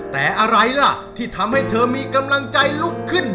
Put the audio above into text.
แต่อะไรล่ะที่ทำให้เธอมีกำลังใจลุกขึ้น